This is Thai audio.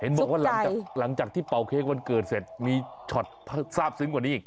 บอกว่าหลังจากที่เป่าเค้กวันเกิดเสร็จมีช็อตทราบซึ้งกว่านี้อีก